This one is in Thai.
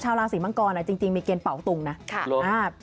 ชาวราศีมังกรจริงมีเกณฑ์เป่าตุงนะ